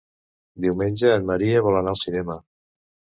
Diumenge en Maria vol anar al cinema.